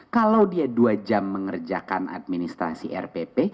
kalau dia dua jam mengerjakan administrasi rpp